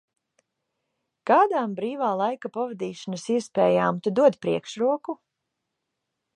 Kādām brīvā laika pavadīšanas iespējām Tu dod priekšroku?